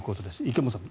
池本さん